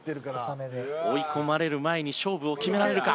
追い込まれる前に勝負を決められるか。